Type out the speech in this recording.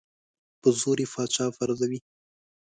په زور یې پاچا پرزوي.